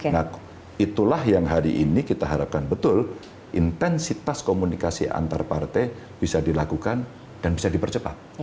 nah itulah yang hari ini kita harapkan betul intensitas komunikasi antar partai bisa dilakukan dan bisa dipercepat